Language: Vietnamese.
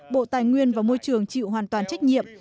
bộ tài nguyên và môi trường chịu hoàn toàn trách nhiệm